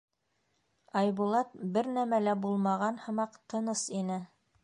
Айбулат, бер нәмә лә булмаған һымаҡ, тыныс ине.